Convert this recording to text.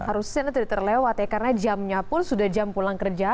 harusnya tidak terlewat ya karena jamnya pun sudah jam pulang kerja